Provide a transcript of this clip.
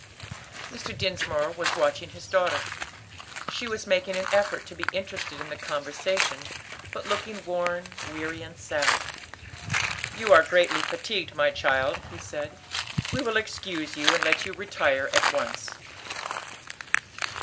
Mr. Dinsmore was watching his daughter. She was making an effort to be interested in the conversation, but looking worn, weary, and sad. "You are greatly fatigued, my child," he said. "We will excuse you and let you retire at once."